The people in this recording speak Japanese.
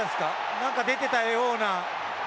何か、出ていたような。